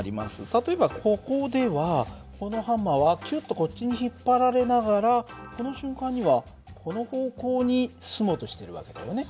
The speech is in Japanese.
例えばここではこのハンマーはキュッとこっちに引っ張られながらこの瞬間にはこの方向に進もうとしてる訳だよね。